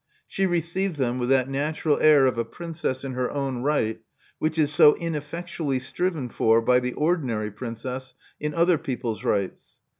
She received them with that natural air of a princess in her own right which is so ineffectually striven for by the ordinary princess in other people's rights.